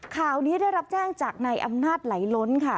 ข่าวนี้ได้รับแจ้งจากนายอำนาจไหลล้นค่ะ